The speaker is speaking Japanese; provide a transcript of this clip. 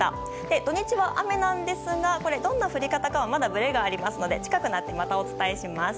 土日は雨なんですがどんな降り方かはブレがありますので近くにお伝えします。